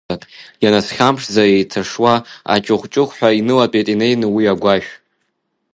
Ианазхьамԥшӡа, еиҭашуа аҷыӷәҷыӷәҳәа инылатәеит инеины уи агәашә.